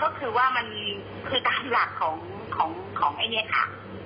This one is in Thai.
ก็คือว่ามันคือตามหลักของของของอันนี้ค่ะ